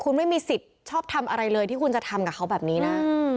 คุณไม่มีสิทธิ์ชอบทำอะไรเลยที่คุณจะทำกับเขาแบบนี้นะ